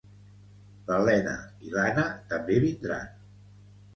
L'Elena i l'Ana també vindran